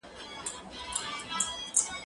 زه مخکي درسونه اورېدلي وو؟!